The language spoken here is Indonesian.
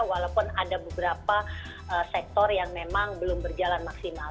walaupun ada beberapa sektor yang memang belum berjalan maksimal